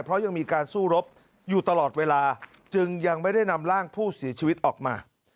เพราะยังมีการสู้รบอยู่ตลอดเวลาจึงยังไม่ได้นำร่างผู้เสียชีวิตออกมา